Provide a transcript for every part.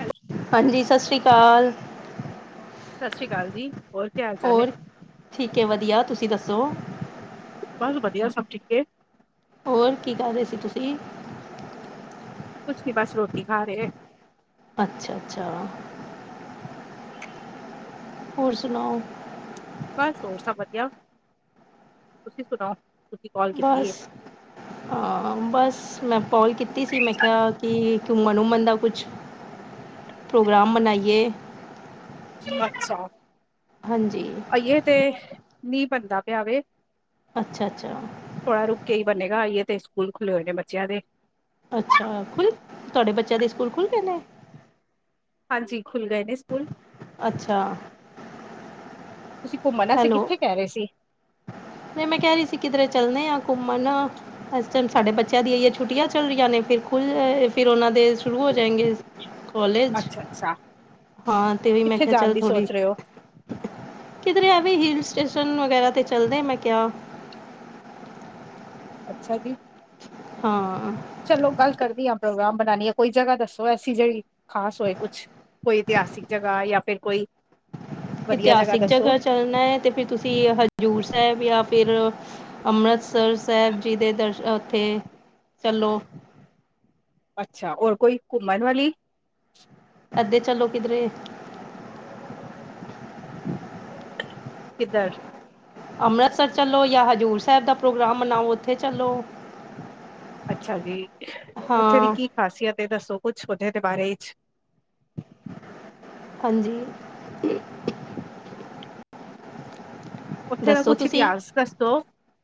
Hello ਹਾਂਜੀ, ਸਤਿ ਸ੍ਰੀ ਅਕਾਲ ਸਤਿ ਸ੍ਰੀ ਅਕਾਲ ਜੀ। ਹੋਰ ਕੀ ਹਾਲ ਚਾਲ ਹੈ ਹੋਰ, ਠੀਕ ਹੈ ਵਧੀਆ, ਤੁਸੀਂ ਦੱਸੋ? ਬਸ ਵਧੀਆ, ਸਭ ਠੀਕ ਐ, ਹੋਰ, ਕੀ ਕਰ ਰਹੇ ਸੀ ਤੁਸੀਂ? ਕੁਛ ਨ ਬਸ, ਰੋਟੀ ਖਾ ਰਹੇ ਅੱਛਾ, ਅੱਛਾ ਹੋਰ ਸੁਣਾਓ ਬਸ ਹੋਰ ਸਭ ਵਧੀਆ, ਤੁਸੀਂ ਸੁਣਾਓ ਕਾਲ ਕੀਤੀ ਬਸ, ਹਾਂ ਬਸ ਮੈਂ ਕੋਲ ਕੀਤੀ ਸੀ ਮੈਂ ਕਿਹਾ, ਕਿ ਮਨਮਨਦਾ ਕੁਛ ਪ੍ਰੋਗਰਾਮ ਬਣਾਈਏ ਜੀ ਅੱਛਾ ਹਾਂਜੀ ਆਈਏ ਤੇ, ਮੀਂਹ ਪੈੰਦਾ ਪਿਆ ਵੇ, ਅੱਛਾ, ਅੱਛਾ ਥੋੜਾ ਰੁਕ ਹੀ ਬਨੇਗਾ, ਜੇ ਤੇ ਸਕੂਲ ਖੁੱਲੇ ਹੋਏ ਨੇ ਬੱਚਿਆਂ ਦੇ ਅੱਛਾ, ਖੁੱਲ੍ਹ, ਤੁਹਾਡੇ ਬੱਚਿਆਂ ਦੇ ਸਕੂਲ ਖੁੱਲ੍ਹ ਗਏ ਨੇ ਹਾਂਜੀ, ਖੁੱਲ ਗਏ ਨੇ ਸਕੂਲ, ਅੱਛਾ ਤੁਸੀਂ ਘੁੰਮਣਾ ਸੀਂ, ਹੈਲੋ ਕਿੱਥੇ ਕਹਿ ਰਹੇ ਸੀ। ਨਹੀਂ ਮੈਂ ਕਹਿ ਰਹੀ ਸੀ, ਕਿਧਰੇ ਚੱਲਣੇ ਆ ਘੁੰਮਣ। ਏਸ ਟੈਮ ਸਾਡੇ ਬੱਚਿਆਂ ਦੀਆਂ ਛੁੱਟੀਆਂ ਚੱਲ ਰਹੀਆਂ ਨੇ, ਫਿਰ ਉਹਨਾਂ ਦੇ ਖੁੱਲ ਫਿਰ ਉਹਨਾਂ ਦੇ ਸ਼ੁਰੂ ਹੋ ਜਾਏਗੇ। ਅੱਛਾ-ਅੱਛਾ। ਹਾਂ, ਤੇ ਵੀ ਮੈਂ ਕਿਹਾ ਚੱਲ ਥੋੜ੍ਹੀ ਕਿਧਰੇ ਐਵੇਂ ਹਿਲ ਸਟੇਸ਼ਨ ਵਗੈਰਾ ਤੇ ਚੱਲਦੇ ਆਂ, ਮੈਂ ਕਿਹਾ। ਅੱਛਾ ਜੀ। ਹਾਂ। ਚਲੋ ਕੱਲ ਕਰਦੀ ਆਂ, ਪ੍ਰੋਗਰਾਮ ਬਣਾਣੀ ਆ, ਕੋਈ ਜਗ੍ਹਾ ਦੱਸੋ ਐਸੀ ਜਿਹੜੀ ਖ਼ਾਸ ਹੋਏ ਕੁਛ। ਕੋਈ ਇਤਿਹਾਸਿਕ ਜਗ੍ਹਾ, ਜਾਂ ਫਿਰ ਕੋਈ ਵਧੀਆ ਇਤਿਹਾਸਿਕ ਦੱਸੋ ਜਗ੍ਹਾ ਚੱਲਣਾ ਐ ਤੇ ਫਿਰ ਤੁਸੀਂ ਹਜ਼ੂਰ ਸਾਹਿਬ ਜਾਂ ਫਿਰ ਅੰਮ੍ਰਿਤਸਰ ਸਾਹਿਬ ਜੀ ਦੇ ਦਰਸ਼ਨ, ਉੱਥੇ ਚੱਲੋ। ਅੱਛਾ, ਹੋਰ ਕੋਈ ਘੁੰਮਣ ਵਾਲੀ। ਐਦਾਂ ਈ ਚੱਲੋ ਕਿਧਰੇ [inaudible] ਕਿਦਰ ਅੰਮ੍ਰਿਤਸਰ ਚੱਲੋ ਜਾਂ ਹਜ਼ੂਰ ਸਾਹਿਬ ਦਾ ਪ੍ਰੋਗਰਾਮ ਬਣਾਓ, ਉੱਥੇ ਚੱਲੋ। ਅੱਛਾ ਜੀ, ਉੱਥੇ ਦੀ ਹਾਂ ਕੀ ਖਾਸੀਅਤ ਏ, ਦੱਸੋ ਕੁਛ ਓਹਦੇ ਦੇ ਬਾਰੇ ਚ। ਹਾਂਜੀ। ਉੱਥੇ ਦਾ ਦੱਸੋ ਕੁਛ ਤੁਸੀਂ ਇਤਿਹਾਸ ਦੱਸਦੋ,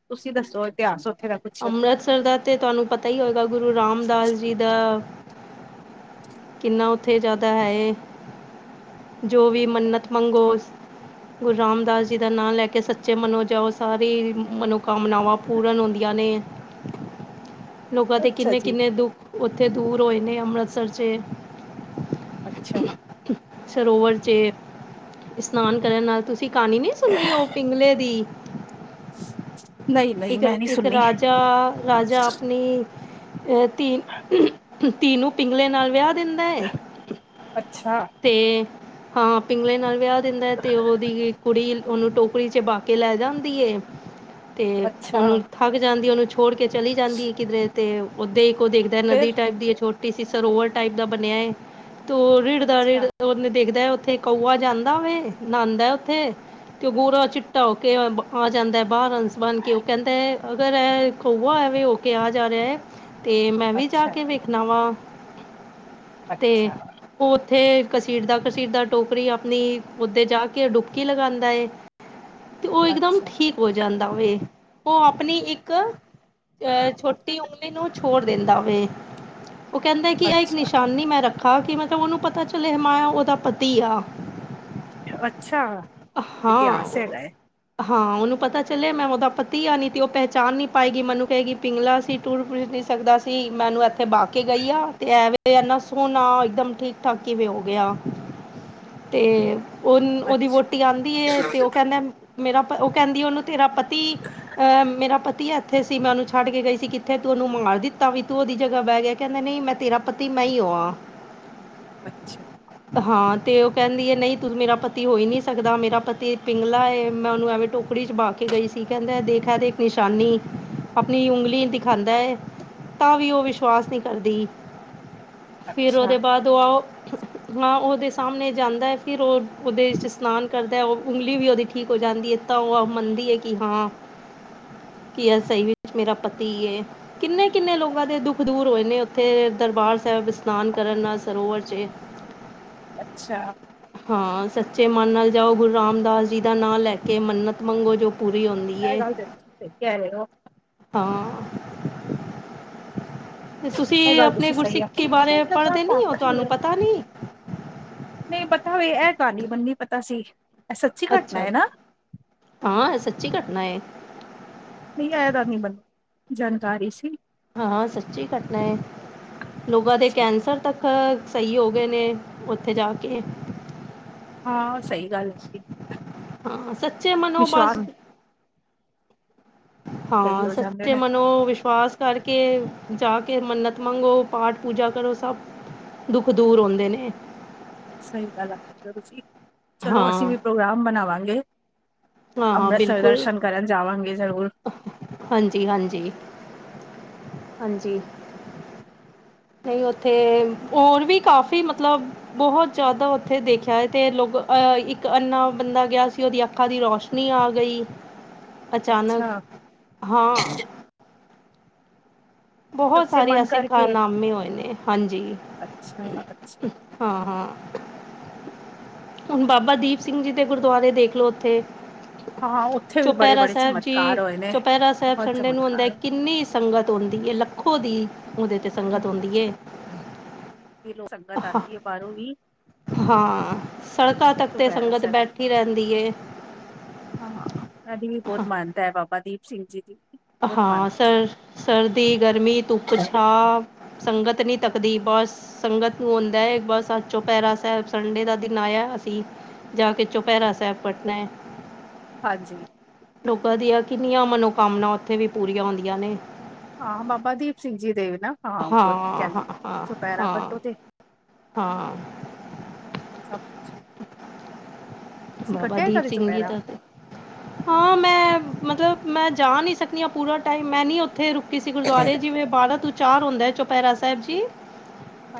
ਤੁਸੀਂ ਦੱਸੋ ਇਤਿਹਾਸ ਉੱਥੇ ਦਾ। ਕੁਛ? ਅੰਮ੍ਰਿਤਸਰ ਦਾ ਤੇ ਤੁਹਾਨੂੰ ਪਤਾ ਹੀ ਹੋਏਗਾ, ਗੁਰੂ ਰਾਮਦਾਸ ਜੀ ਦਾ ਕਿੰਨਾ ਉੱਥੇ ਜ਼ਿਆਦਾ ਹੈ ਏ, ਜੋ ਵੀ ਮੰਨਤ ਮੰਗੋ ਗੁਰੂ ਰਾਮਦਾਸ ਜੀ ਦਾ ਨਾਂ ਲੈ ਕੇ ਸੱਚੇ ਮਨੋ ਜਾਓ, ਸਾਰੀ ਮਨੋਕਾਮਨਾਵਾਂ ਪੂਰਨ ਹੁੰਦੀਆਂ ਨੇ। ਲੋਕਾਂ ਦੇ ਅੱਛਾ ਜੀ। ਕਿੰਨੇ-ਕਿੰਨੇ ਦੁੱਖ ਉੱਥੇ ਦੂਰ ਹੋਏ ਨੇ, ਅੰਮ੍ਰਿਤਸਰ ਚੇ। ਅੱਛਾ। ਸਰੋਵਰ ਚੇ ਇਸ਼ਨਾਨ ਕਰਨ ਨਾਲ ਤੁਸ ਤੁਸੀਂ ਕਹਾਣੀ ਨਈ ਸੁਨੀ ਉਹ ਪਿੰਗਲੇ ਦੀ। ਨਈ-ਨਈ, ਇੱਕ ਮੈਂ ਨੀ ਇੱਕ ਸੁਣੀ। [inaudible] ਰਾਜਾ ਆਪਣੀ ਧੀ-ਧੀ ਨੂੰ ਪਿੰਗਲੇ ਨਾਲ ਵਿਆਹ ਦਿੰਦਾ ਏ। ਅੱਛਾ। ਤੇ ਹਾਂ ਪਿੰਗਲੇ ਨਾਲ ਵਿਆਹ ਦਿੰਦਾ, ਤੇ ਉਹਦੀ ਕੁੜੀ ਉਹਨੂੰ ਟੋਕਰੀ ਚ ਬਾਕੇ ਲੈ ਜਾਂਦੀ ਏ, ਤੇ ਅੱਛਾ ਉਹਨੂੰ ਥੱਕ ਜਾਂਦੀ ਏ ਉਹਨੂੰ ਚੁੱਕ ਛੋੜ ਕੇ ਚਲੀ ਜਾਂਦੀ ਐ ਕਿਧਰੇ ਤੇ, ਉਥੇ ਇੱਕ ਉਹ ਦੇਖਦਾ ਫਿਰ ਨਦੀ ਟਾਈਪ ਦੀ ਏ ਛੋਟੀ ਟੀ ਸੀ ਸਰੋਵਰ ਟਾਈਪ ਦਾ ਬਣਿਆ ਏ, ਤੇ ਉਹ ਰਿੜਦਾ ਰਿੜ ਅੱਛਾ, ਓਹਨੇ ਦੇਖਦਾ ਐ ਉੱਥੇ। ਕਊਆ ਜਾਂਦਾ ਵੇ, ਨਾਂਦੈ ਉੱਥੇ। ਤੇ ਗੋਰਾ ਚਿੱਟਾ ਹੋ ਕੇ ਆ ਜਾਂਦਾ ਬਾਹਰ ਹੰਸ ਬਣ ਕੇ, ਉਹ ਕਹਿੰਦਾ ਅਗਰ ਇਹ ਕਊਆ ਐਵੇ ਹੋ ਕੇ ਆ ਜਾ ਰਿਹਾ। ਤੇ ਮੈਂ ਵੀ ਜਾ ਅੱਛਾ, ਕੇ ਵੇਖਣਾ ਵਾ, ਤੇ ਅੱਛਾ, ਓ ਉੱਥੇ ਘਸੀਟਦਾ-ਘਸੀਟਦਾ ਟੋਕਰੀ ਆਪਣੀ ਉੱਥੇ ਜਾ ਕੇ ਡੁਬਕੀ ਲਗਾਂਦਾ ਏ। ਤੇ ਉਹ ਇਕਦਮ ਅੱਛਾ, ਠੀਕ ਹੋ ਜਾਂਦਾ ਵੇ, ਉਹ ਆਪਣੀ ਇੱਕ ਅਹ ਛੋਟੀ ਉਂਗਲੀ ਨੂੰ ਛੋੜ ਦਿੰਦਾ ਵੇ। ਉਹ ਕਹਿੰਦਾ ਕਿ ਇਹ ਇੱਕ ਅੱਛਾ, ਨਿਸ਼ਾਨੀ ਮੈਂ ਰੱਖਾਂ, ਕਿ ਮਤਲਬ ਉਹਨੂੰ ਪਤਾ ਪਤਾ ਚਲਿਆ ਮਾਇਆ ਉਹਦਾ ਪਤੀ ਆ। ਅੱਛਾ, ਇਤਿਹਾਸ ਚ ਹਾਂ। ਹੈਗਾ ਐ। ਹਾਂ, ਉਹਨੂੰ ਪਤਾ ਚੱਲਿਆ ਮੈਂ ਉਹਦਾ ਪਤੀ ਆ, ਨਈ ਤੇ ਉਹ ਪਹਿਚਾਣ ਨੀ ਪਾਏਗੀ, ਮੈਨੂੰ ਕਹੇਗੀ ਪਿੰਗਲਾ ਸੀ। ਤਰ ਪੁਰ ਨੀ ਸਕਦਾ ਸੀ, ਮੈਨੂੰ ਇੱਥੇ ਬਹਾ ਕੇ ਗਈ ਆ, ਤੇ ਐਵੇਂ ਏਨਾ ਸੋਹਣਾ ਇਕਦਮ ਠੀਕ ਠਰਕੀ ਵੀ ਹੋ ਗਿਆ, ਤੇ ਉਹ ਉਹਦੀ ਅੱਛਾ, ਵੋਟੀ ਆਂਦੀ ਏ, ਤੇ ਉਹ ਕਹਿੰਦਾ ਮੇਰਾ ਉਹ ਕਹਿੰਦੀ ਉਹਨੂੰ ਤੇਰਾ ਪ ਅਹ ਮੇਰਾ ਪਤੀ ਐ। ਕਿੱਥੇ ਸੀ ਮੈਂ ਉਹਨੂੰ ਛੱਡ ਕੇ ਗਈ ਸੀ, ਕਿੱਥੇ ਤੂੰ ਉਹਨੂੰ ਮਾਰ ਦਿੱਤਾ ਵੀ ਤੂੰ ਉਹਦੀ ਜਗ੍ਹਾ ਬਹਿ ਗਿਆ, ਕਹਿੰਦੇ ਨਹੀਂ ਮੈਂ ਤੇਰਾ ਪਤੀ ਮੈਂ ਈ ਓ ਵਾਂ। ਅੱਛਾ! ਹਾਂ ਤੇ ਉਹ ਕਹਿੰਦੀ ਹੈ ਨਹੀਂ ਤੂੰ ਮੇਰਾ ਪਤੀ ਹੋ ਹੀ ਨਹੀ ਸਕਦਾ ਮੇਰਾ ਪਤੀ ਪਿੰਗਲਾ ਹੈ ਮੈਂ ਉਹਨੂੰ ਐਵੇਂ ਟੋਕ ਕੁਖੜੀ ਚ ਪਾ ਕੇ ਗਈ ਸੀ ਕਹਿੰਦਾ ਦੇਖਿਆ ਦੇਖ ਨਿਸ਼ਾਨੀ ਆਪਣੀ ਉਂਗਲੀ ਦਿਖਾਦਾ ਹੈ। ਤਾਂ ਵੀ ਉਹ ਵਿਸ਼ਵਾਸ ਨਹੀਂ ਕਰਦੀ ਫਿਰ ਅੱਛਾ, ਉਹਦੇ ਬਾਅਦ ਉਹ ਹਾਂ ਉਹਦੇ ਸਾਹਮਣੇ ਜਾਂਦਾ ਹੈ ਫਿਰ ਉਹ ਉਹਦੇ ਸਸ਼ਨਾਨ ਕਰਦਾ ਹੈ ਉਂਗਲੀ ਵੀ ਉਹਦੀ ਠੀਕ ਹੋ ਜਾਂਦੀ ਹੈ ਤਾਂ ਉਹ ਮੰਨਦੀ ਹੈ ਕਿ ਹਾਂ ਕੀ ਐ ਸਹੀ ਵੀ ਮੇਰਾ ਪਤੀ ਕਿੰਨੇ ਕਿੰਨੇ ਲੋਕਾਂ ਦੇ ਦੁਖ ਦੂਰ ਹੋਏ ਨੇ ਉੱਥੇ ਦਰਬਾਰ ਸਾਹਿਬ ਇਸ਼ਨਾਨ ਕਰਨ ਨਾਲ ਸਰੋਵਰ ਛੇ਼ ਅੱਛਾ! ਹਾਂ ਸੱਚੇ ਮਨ ਨਾਲ ਜਾਓ ਗੁਰੂ ਰਾਮਦਾਸ ਜੀ ਦਾ ਨਾਂ ਲੈ ਕੇ ਮੰਨਤ ਮੰਗੋ ਜੋ ਪੂਰੀ ਹੁੰਦੀ ਇਹ ਹੈ ਗੱਲ ਤੇ ਤੁਸੀਂ ਸ ਕਹਿ ਰਹੇ ਹੋ ਹਾਂ ਤੇ ਤੁਸੀਂ ਇਹ ਗੱਲ ਆਪਣੀ ਤੁਸੀਂ ਸਹੀ ਗੁਰਸਿੱਖੀ ਬਾਰੇ ਪੜ੍ਹਦੇ ਨੀ ਹੋ ਆਖੀ। ਤੁਹਾਨੂੰ ਪਤਾ ਨੀ ਨਹੀਂ ਪਤਾ ਹੋਵੇ ਇਹ ਹੀ ਮੰਨੀ ਪਤਾ ਸੀ ਇਹ ਸੱਚੀ ਘਟਨਾ ਅੱਛਾ ਹੈ ਨਾ ਹਾਂ ਸੱਚੀ ਘਟਨਾ ਹੈ ਨਹੀਂ ਆਇਆ ਤਾਂ ਨਹੀਂ ਮੈਨੂੰ ਜਾਣਕਾਰੀ ਸੀ ਹਾਂ ਸੱਚੀ ਘਟਨਾ ਹੈ ਲੋਕਾਂ ਦੇ ਅੱਛਾ ਕੈਂਸਰ ਤੱਕ ਹਮ ਸਹੀ ਹੋ ਗਏ ਨੇ ਉੱਥੇ ਜਾ ਕੇ ਹਾਂ ਸਹੀ ਗੱਲ ਹੈ ਹਾਂ ਸੱਚੇ ਮਨੋ ਬਸ ਵਿਸ਼ਵਾਸ ਸਹੀ ਹਾਂ ਹੋ ਜਾਂਦੇ ਸੱਚੇ ਨੇ ਮਨੋ ਵਿਸ਼ਵਾਸ ਕਰਕੇ ਜਾ ਕੇ ਮੰਨਤ ਮੰਗੋ ਪਾਠ ਪੂਜਾ ਕਰੋ ਸਭ ਦੁੱਖ ਦੂਰ ਹਉਂਦੇ ਨੇ ਸਹੀ ਗੱਲ ਆ ਤੁਸੀਂ ਚਲੋ ਅਸੀਂ ਹਾਂ ਵੀ ਪ੍ਰੋਗਰਾਮ ਬਣਾਵਾਂਗੇ। ਹਾਂ ਹਾਂ ਅੰਮ੍ਰਿਤਸਰ ਬਿਲਕੁਲ ਦਰਸ਼ਨ ਕਰਨ ਜਾਵਾਂਗੇ ਜ਼ਰੂਰ ਹਾਂਜੀ! ਹਾਂਜੀ! ਹਾਂਜੀ! ਨਹੀਂ ਉੱਥੇ ਹੋਰ ਵੀ ਕਾਫੀ ਮਤਲਬ ਬਹੁਤ ਜ਼ਿਆਦਾ ਉੱਥੇ ਦੇਖਿਆ ਹੈ ਤੇ ਲੋਕ ਅਹ ਇੱਕ ਅੰਨਾ ਬੰਦਾ ਗਿਆ ਸੀ ਉਹਦੀ ਅੱਖਾਂ ਦੀ ਰੌਸ਼ਨੀ ਨੀ ਆ ਗਈ ਅਚਾਨਕ ਅੱਛਾ ਹਾਂ ਬਹੁਤ ਸੱਚੇ ਸਾਰੇ ਮਨ ਐਸੇ ਕਰਕੇ ਕਾਰਨਾਮੇ ਹੋਏ ਨੇ ਹਾਂਜੀ ਅੱਛਾ ਅੱਛਾ ਹਾਂ-ਹਾਂ ਹੁਣ ਬਾਬਾ ਦੀਪ ਸਿੰਘ ਜੀ ਦੇ ਗੁਰਦੁਆਰੇ ਦੇਖਲੋ ਉੱਥੇ ਹਾਂ ਉੱਥੇ ਵੀ ਬੜੇ ਚੌਪਹਿਰਾ ਬੜੇ ਸਾਹਿਬ ਜੀ ਚਮਤਕਾਰ ਹੋਏ ਨੇ ਚੌਪਹਿਰਾ ਸਾਹਿਬ ਬਹੁਤ ਸੰਡੇ ਨੂੰ ਹੁੰਦਾ ਚਮਤਕਾਰ ਹੋਏ ਕਿੰਨੀ ਸੰਗਤ ਆੁੰਦੀ ਹੈ ਲੱਖੋਂ ਦੀ ਉਹਦੇ 'ਤੇ ਸੰਗਤ ਆਂਦੀ ਹੈ ਕਿ ਸੰਗਤ ਹ ਆਉਂਦੀ ਹੈ ਬਾਹਰੋਂ ਵੀ ਹਾਂ ਸੜਕਾਂ ਤੱਕ ਤੇ ਚੁਪਹਿਰਾ ਸੰਗਤ ਸਾਹਿਬ ਬੈਠੀ ਰਹਿੰਦੀ ਏ ਹਾਂ ਸਾਡੀ ਵੀ ਹ ਬਹੁਤ ਮਾਨਤਾ ਹੈ ਬਾਬਾ ਦੀਪ ਸਿੰਘ ਜੀ ਦੀ ਬਹੁਤ ਹਾਂ ਮਾਨਤਾ ਸਰ ਸਰਦੀ ਗਰਮੀ ਧੁੱਪ ਛਾਂ ਸੰਗਤ ਨੀ ਥੱਕਦੀ ਬਸ ਸੰਗਤ ਨੂੰ ਹਾਂਉਦਾ ਹੈ ਬਸ ਚੌਪਹਿਰਾ ਸਾਹਿਬ ਸੰਡੇ ਦਾ ਦਿਨ ਆਇਆ ਅਸੀਂ ਜਾ ਕੇ ਚੌਪਹਿਰਾ ਸਾਹਿਬ ਕਟਨਾ ਹੈ ਹਾਂਜੀ ਲੋਕਾਂ ਦੀਆਂ ਕਿੰਨੀਆਂ ਮਨੋਕਾਮਨਾ ਉੱਥੇ ਵੀ ਪੂਰੀਆਂ ਹੁੰਦੀਆਂ ਨੇ ਹਾਂ ਬਾਬਾ ਦੀਪ ਸਿੰਘ ਜੀ ਦੇ ਨਾ ਹਾਂ ਬ ਕਹਿੰਦੇ ਹਾਂ ਨੇ ਹਾਂ ਚੁਪਹਿਰਾ ਹਾਂ ਕੱਟੋ ਤੇ ਹਾਂ ਸਭ ਕੁਛ ਤੁਸੀਂ ਬਾਬਾ ਕੱਟਿਆ ਦੀਪ ਕਦੇ ਸਿੰਘ ਜੀ ਚੋਪਹਿਰਾ ਦਾ ਤੇ ਹਾਂ ਮੈਂ ਮਤਲਬ ਮੈਂ ਜਾ ਨਹੀਂ ਸਕਦੀ ਹ ਪੂਰਾ ਟਾਈਮ ਮੈਂ ਨ ਉੱਥੇ ਰੁਕ ਕਿਸੇ ਗੁਰਦੁਆਰੇ ਜਿਵੇਂ ਬਾਰਾਂ ਤੋਂ ਚਾਰ ਹੁੰਦਾ ਚੌਪਹਿਰਾ ਸਾਹਿਬ ਜੀ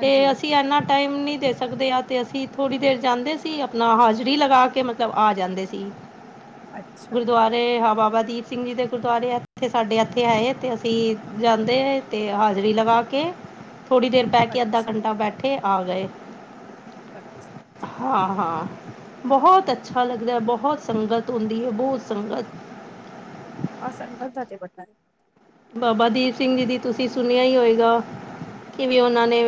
ਤੇ ਅਸੀਂ ਇਨਾ ਟਾਈਮ ਨਹੀਂ ਦੇ ਸਕਦੇ ਆ ਤੇ ਅਸੀਂ ਥੋੜ੍ਹੀ ਦੇਰ ਜਾਂਦੇ ਸੀ ਆਪਣਾ ਹਾਜ਼ਰੀ ਲਗਾ ਕੇ ਕੇ ਮਤਲਬ ਆ ਜਾਂਦੇ ਸੀ ਅੱਛਾ ਗੁਰਦੁਆ ਤੇ ਹਾਂ ਬਾਬਾ ਦੀਪ ਸਿੰਘ ਜੀ ਦੇ ਗੁਰਦੁਆਰੇ ਆ ਐਥੇ ਸਾਡੇ ਐਥੇ ਹੈ ਤੇ ਅਸੀਂ ਜਾਂਦੇ ਰਹੇ। ਤੇ ਹਾਜ਼ਰੀ ਲਗਾ ਕੇ ਥੋੜ੍ਹੀ ਦੇਰ ਬੈ ਕੇ ਅੱਛਾ। ਅੱਧਾ ਘੰਟਾ ਬੈਠੇ ਆ ਗਏ। ਅੱਛਾ ਹਾਂ-ਹਾਂ ਬਹੁਤ ਅੱਛਾ ਲੱਗਦਾ ਬਹੁਤ ਸੰਗਤ ਹੁੰਦੀ ਹੈ ਬਹੁਤ ਸੰਗਤ ਅ ਸੰਡੇ ਤਕ ਏ ਬਨਣਾ ਬਾਬਾ ਦੀਪ ਸਿੰਘ ਜੀ ਦੀ ਤੁਸੀਂ ਸੁਣਿਆ ਹੀ ਹੋਏਗਾ ਕਿਵੇਂ ਉਹਨਾਂ ਨੇ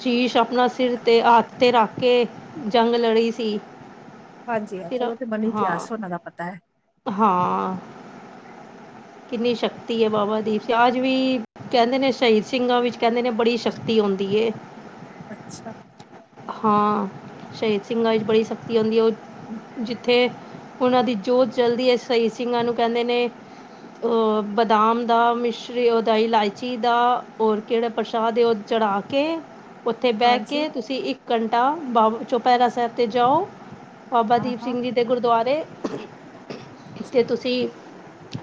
ਸ਼ੀਸ਼ ਆਪਣਾ ਸਿਰ ਤੇ ਹੱਥ ਤੇ ਰੱਖ ਕੇ ਜੰਗ ਲੜੀ ਸੀ। ਹਾਂਜੀ-ਹਾਂਜੀ ਫਿਰ ਉਹ ਤੇ ਮਨੀ ਹਾਂ ਗਆਸ ਉਹਨਾਂ ਦਾ ਪਤਾ ਹੈ। ਹਾਂ ਕਿੰਨੀ ਸ਼ਕਤੀ ਹੈ ਬਾਬਾ ਦੀਪ ਸੀ ਅੱਜ ਵੀ ਕਹਿੰਦੇ ਨੇ ਸ਼ਹੀਦ ਸਿੰਘਾਂ ਵਿੱਚ ਕਹਿੰਦੇ ਨੇ ਬੜੀ ਸ਼ਕਤੀ ਆਉਂਦੀ ਏ। ਅੱਛਾ। ਹਾਂ ਸ਼ਹੀਦ ਸਿੰਘਾਂ ਵਿੱਚ ਬੜੀ ਸ਼ਕਤੀ ਆਉਂਦੀ ਹੈ ਉਹ ਜਿੱਥੇ ਉਹਨਾਂ ਦੀ ਜੋਤ ਜਲਦੀ ਹੈ ਸਹੀ ਸਿੰਘਾਂ ਨੂੰ ਕਹਿੰਦੇ ਨੇ ਬਦਾਮ ਦਾ ਮਿਸ਼ਰੀ ਉਹਦਾ ਇਲਾਇਚੀ ਦਾ ਹੋਰ ਕਿਹੜਾ ਪ੍ਰਸ਼ਾਦ ਹੈ ਉਹ ਚੜਾ ਕੇ ਕੇ ਉੱਥੇ ਬਹਿ ਹਾਂਜੀ ਕੇ ਤੁਸੀਂ ਇੱਕ ਘੰਟਾ ਬ ਚੌਪਹਿਰਾ ਸਾਹਿਬ ਤੇ ਜਾਓ। ਬਾਬਾ ਹਾਂ ਦੀਪ ਹਾਂ ਸਿੰਘ ਜੀ ਦੇ ਗੁਰਦੁਆਰੇ ਅੱਛਾ ਤੇ ਤੁਸੀਂ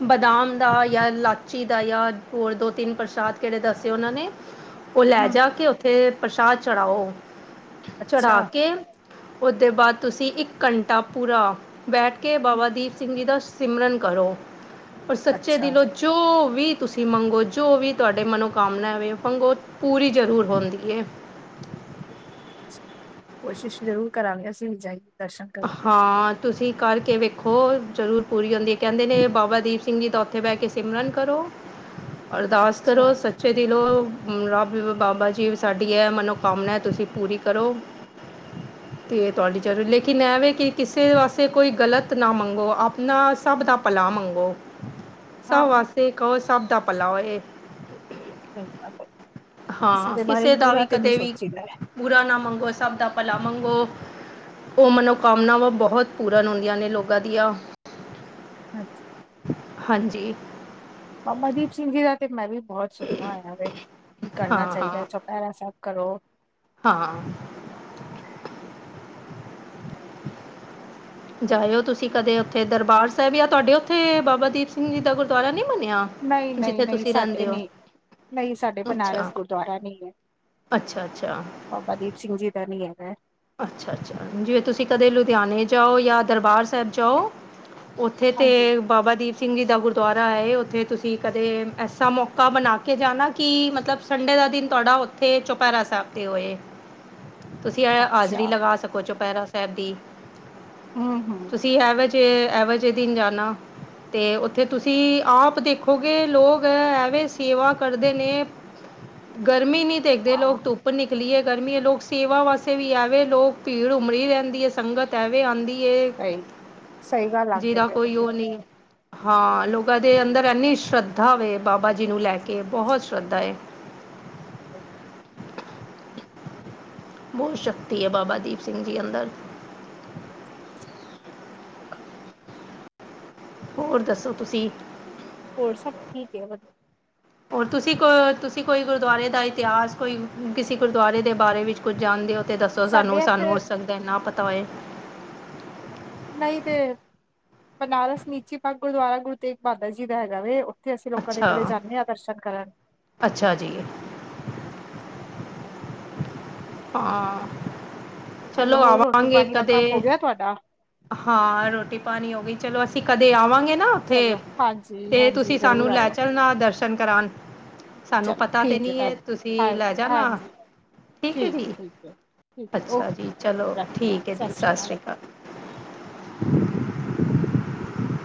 ਬਦਾਮ ਦਾ ਜਾਂ ਲਾਚੀ ਦਾ ਜਾਂ ਹੋਰ ਦੋ ਤਿੰਨ ਪ੍ਰਸ਼ਾਦ ਕਿਹੜੇ ਦੱਸੇ ਉਹਨਾਂ ਨੇ ਉਹ ਲੈ ਹਮ ਜਾ ਕੇ ਉੱਥੇ ਪ੍ਰਸ਼ਾਦ ਚੜਾਓ। ਅੱਛਾ ਚੜ੍ਹਾ ਕੇ ਉਹਦੇ ਬਾਅਦ ਤੁਸੀਂ ਇੱਕ ਘੰਟਾ ਪੂਰਾ ਬੈਠ ਕੇ ਬਾਬਾ ਹਮ, ਦੀਪ ਸਿੰਘ ਜੀ ਦਾ ਸਿਮਰਨ ਕਰੋ ਔਰ ਸੱਚੇ ਅੱਛਾ ਦਿਲੋਂ ਜੋ ਵੀ ਤੁਸੀਂ ਮੰਗੋ ਜੋ ਵੀ ਤੁਹਾਡੇ ਮਨੋਕਾਮਨਾ ਵੇ ਮੰਗੋ ਪੂਰੀ ਜ਼ਰੂਰ ਹੋਂਦੀ ਏ ਅੱਛਾ। ਕੋਸ਼ਿਸ਼ ਜ਼ਰੂਰ ਕਰਾਂਗੇ ਅਸੀਂ ਵੀ ਜਾਈਏ ਦਰਸ਼ਨ ਕਰਨ। ਹਾਂ ਤੁਸੀਂ ਕਰਕੇ ਵੇਖੋ ਜ਼ਰੂਰ ਪੂਰੀ ਹੁੰਦੀ ਹੈ ਕਹਿੰਦੇ ਨੇ ਬਾਬਾ ਦੀਪ ਸਿੰਘ ਜੀ ਦਾ ਉੱਥੇ ਬਹਿ ਕੇ ਸਿਮਰਨ ਕਰੋ ਅਰਦਾਸ ਕਰੋ ਅੱਛਾ ਸ ਸੱਛੇ ਦਿਲੋ ਰੱਬ ਬਾਬਾ ਜੀ ਸਾਡੀ ਐਮਨੋਕਾਮਨਾ ਤੁਸੀਂ ਪੂਰੀ ਕਰੋ। ਤੇ ਤੁਹਾਡੀ ਚਾਰੇ ਲਿਖ ਕਿਤੇ ਪਾਸੇ ਕਿ ਕਿਸੇ ਵਾਸਤੇ ਕੋਈ ਗਲਤ ਨਾ ਮੰਗੋ ਆਪਣਾ ਸਭ ਦਾ ਭਲਾ ਮੰਗੋ। ਹਾਂ ਸਭ ਹਾਂ, ਵਾਸ ਕਹੋ ਸਭ ਦਾ ਪਲਾ ਇਹ ਬਿਲਕ ਕਿਸੇ ਦੇ ਬਾਰੇ ਚ ਬੁਰਾ ਤੇ ਨਹੀਂ ਸੋਚੀਦੈ ਬੂਰਾ ਨਾ ਮੰਗੋ ਸਭ ਦਾ ਭਲਾ ਮੰਗੋ ਉਹ ਮਨੋਕਾਮਨਾਵਾਂ ਬਹੁਤ ਪੂਰਨ ਹੁੰਦੀਆਂ ਨੇ ਲੋਕਾਂ ਦੀਆਂ। ਹਾਂਜੀ। ਹਾਂਜੀ। ਬਾਬਾ ਦੀਪ ਸਿੰਘ ਜੀ ਦਾ ਤੇ ਮੈਂ ਵੀ ਬਹੁਤ ਸੁਣਿਆ ਹੋਇਆ ਕੀ ਕਰਨਾ ਹਾਂ ਹਾਂ ਚਾਹੀਦਾ ਚ ਪੈਰਾ ਸਭ ਕਰੋ। ਹਾਂ। [unintelligible] ਜਾਇਓ ਤੁਸੀਂ ਕਦੇ ਉੱਥੇ ਦਰਬਾਰ ਸਾਹਿਬ ਜਾਂ ਤੁਹਾਡੇ ਉੱਥੇ ਬਾਬਾ ਦੀਪ ਸਿੰਘ ਜੀ ਦਾ ਗੁਰਦੁਆਰਾ ਨਹੀਂ ਬਨੇਆ? ਨਹੀਂ, ਨਹੀਂ, ਨਹੀਂ ਸਾਡੇ ਨਹੀਂ-ਨਹੀਂ ਸਾਡੇ ਬਨਾਰਸ ਗੁਰਦੁਆਰਾ ਨਹੀਂ ਹੈ। ਅੱਛਾ-ਅੱਛਾ ਬਾਬਾ ਦੀਪ ਸਿੰਘ ਜੀ ਦਾ ਨੀ ਹੈਗਾ ਅੱਛਾ-ਅੱਛਾ ਜਿਵੇਂ ਤੁਸੀਂ ਕਦੇ ਲੁਧਿਆਣੇ ਜਾਓ ਜਾਂ ਦਰਬਾਰ ਸਾਹਿਬ ਜਾਓ। ਉੱਥੇ ਤੇ ਹਾਂਜੀ ਬਾਬਾ ਦੀਪ ਸਿੰਘ ਜੀ ਦਾ ਗੁਰਦੁਆਰਾ ਹੈ ਉੱਥੇ ਤੁਸੀਂ ਕਦੇ ਐਸਾ ਮੌਕਾ ਬਣਾ ਕੇ ਜਾਣਾ ਕਿ ਮਤਲਬ ਸੰਡੇ ਦਾ ਦਿਨ ਤੁਆਡਾ ਉੱਥੇ ਈ ਚੌਪਹਿਰਾ ਸਾਹਿਬ ਤੇ ਹੋਏ ਤੁਸੀਂ ਹਾਜ਼ਰੀ ਅੱਛਾ ਲਗਾ ਸਕੋ ਚੁਪਹਿਰਾ ਸਾਹਿਬ ਦੀ। ਹੂ-ਹੂ ਤੁਸੀਂ ਔਵਜੇ-ਐਵਜੇ ਦਿਨ ਜਾਣਾ। ਤੇ ਉੱਥੇ ਤੁਸੀਂ ਆਪ ਦੇਖੋਗੇ ਲੋਕ ਐਵੇਂ ਸੇਵਾ ਕਰਦੇ ਨੇ। ਗਰਮੀ ਨੀ ਦੇਖਦੇ ਹਾਂ ਲੋਕ ਧੁੱਪ ਨਿਕਲੀ ਹੈ ਗਰਮੀ ਹੈ ਲੋਕ ਸੇਵਾ ਵਾਸਤੇ ਵੀ ਐਵੇਂ ਲੋਕ ਭੀੜ ਉਮਰੀ ਰਹਿੰਦੀ ਹੈ ਸੰਗਤ ਐਵੇਂ ਆਉਂਦੀ ਕੇ ਸਹੀ ਸਹੀ ਗੱਲ ਲੱਗਦੇ ਜਿਹਦਾ ਪਏ ਹੋ ਕੋਈ ਤੁਸੀਂ ਉਹ ਨੀ। ਹਾਂ। ਲੋਕਾਂ ਦੇ ਅੰਦਰ ਇਨੀ ਸ਼ਰਧਾ ਵੇ, ਬਾਬਾ ਜੀ ਨੂੰ ਲੈ ਕੇ ਬਹੁਤ ਸ਼ਰਧਾ ਏ। [unintelligible] ਬਹੁਤ ਸ਼ਕਤੀ ਹੈ ਬਾਬਾ ਦੀਪ ਸਿੰਘ ਜੀ ਅੰਦਰ। ਹੋਰ ਦੱਸੋ ਤੁਸੀਂ? ਹੋਰ ਸਭ ਠੀਕ ਹੈ ਵਧੀਆ। [inaudible] ਔਰ ਤੁਸੀਂ ਕੋ ਤੁਸੀਂ ਕੋਈ ਗੁਰਦੁਆਰੇ ਦਾ ਇਤਿਹਾਸ ਕੋਈ ਕਿਸੇ ਗੁਰਦੁਆਰੇ ਦੇ ਬਾਰੇ ਵਿੱਚ ਕੁਝ ਜਾਣਦੇ ਹੋ। ਤੇ ਦੱਸੋ ਸਾਡੇ ਸਾਨੂੰ-ਸਾਨੂੰ ਹੋ ਇੱਥੇ ਸਕਦਾ ਨਾ ਪਤਾ ਹੋਏ। ਨਹੀਂ ਤੇ ਬਨਾਰਸ ਨੀਚੀ ਪਗ ਗੁਰਦੁਆਰਾ ਗੁਰੂ ਤੇਗ ਬਹਾਦਰ ਜੀ ਦਾ ਹੈਗਾ ਵੇ। ਇੱਥੇ ਅਸੀਂ ਲੋਕਾਂ ਦੇ ਅੱਛਾ ਕਦੇ ਜਾਂਦੇ ਹਾਂ ਦਰਸ਼ਨ ਕਰਨ। ਅੱਛਾ ਜੀ। ਹਾਂ। ਚਲੋ ਹੋਰ ਰੋਟੀ ਆਵਾਂਗੇ ਪਾਣੀ ਦਾ ਕਦੇ। ਕੰਮ ਹੋ ਗਿਆ ਤੁਹਾਡਾ ਹਾਂ। ਰੋਟੀ -ਪਾਣੀ ਹੋ ਗਈ ਚਲੋ ਅਸੀਂ ਕਦੇ ਆਵਾਂਗੇ ਨਾ ਉੱਥੇ ਚਲੋ ਹਾਂਜੀ ਤੇ ਹਾਂਜੀ ਤੁਸੀਂ ਜ਼ਰੂਰ ਸਾਨੂੰ ਲੈ ਆਇਓ ਚਲਣਾ ਦਰਸ਼ਨ ਕਰਾਉਣ। ਸਾਨੂੰ ਚਲੋ ਪਤਾ ਤੇ ਠੀਕ ਨਹੀਂ ਹੈ, ਭੈਣ ਹਾਂ ਤੁਸੀਂ ਲੈ ਜਾਣਾ। ਹਾਂਜੀ ਠੀਕ ਹੈ ਜੀ, ਠੀਕ ਹੈ ਠੀਕ ਹੈ ਅੱਛਾ ਓਕੇ ਜੀ, ਚਲੋ ਠੀਕ ਹੈ ਜੀ ਸਤਿ ਸ਼੍ਰੀ ਅਕਾਲ।